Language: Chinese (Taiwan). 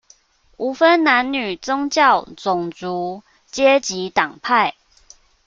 無分男女、宗教、種族、階級、黨派